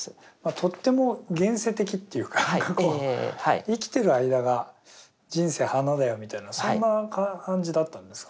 とっても現世的っていうか生きてる間が人生華だよみたいなそんな感じだったんですか？